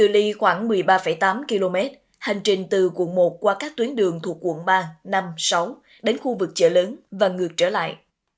điểm khởi hành từ bến xe buýt sài gòn chạy qua các tuyến đường trung tâm quận một năm sáu đến khu vực chợ lớn và ngược lại